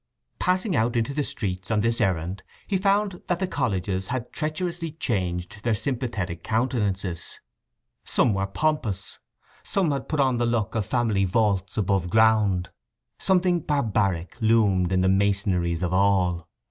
Passing out into the streets on this errand he found that the colleges had treacherously changed their sympathetic countenances: some were pompous; some had put on the look of family vaults above ground; something barbaric loomed in the masonries of all.